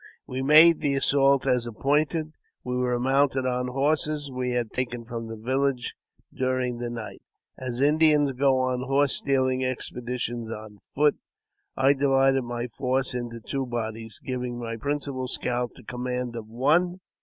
We made the assault as appointed. We were mounted on horses we had taken from the village during the night, as Indians go on horse steahng expeditions on foot. I divided my force into two bodies, giving my principal scout the command of one.